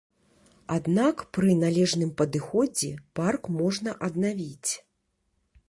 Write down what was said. Аднак пры належным падыходзе парк можна аднавіць.